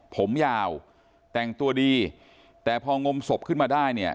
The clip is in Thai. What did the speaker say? ผมยาวแต่งตัวดีแต่พองมศพขึ้นมาได้เนี่ย